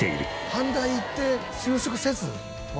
阪大行って就職せず？